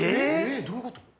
⁉どういうこと？